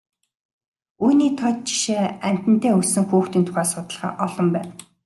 Үүний тод жишээ амьтантай өссөн хүүхдийн тухай судалгаа олон байна.